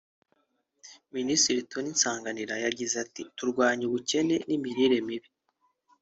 Minisitiri Tony Nsanganira yagize ati “Turwanye ubukene n’imirire mibi